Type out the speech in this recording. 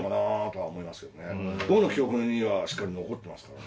僕の記憶にはしっかり残ってますからね。